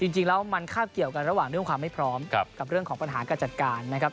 จริงแล้วมันคาบเกี่ยวกันระหว่างเรื่องความไม่พร้อมกับเรื่องของปัญหาการจัดการนะครับ